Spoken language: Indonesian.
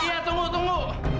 iya tunggu tunggu